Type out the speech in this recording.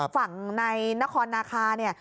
ฝั่งในนครนาคาเนี่ย